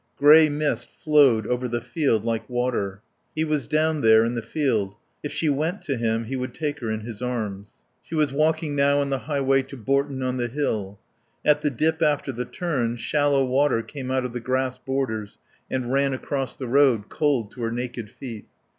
Grey mist flowed over the field like water. He was down there in the field. If she went to him he would take her in his arms. She was walking now on the highway to Bourton on the Hill. At the dip after the turn shallow water came out of the grass borders and ran across the road, cold to her naked feet.